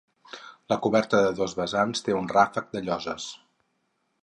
La coberta a dos vessants té un ràfec de lloses.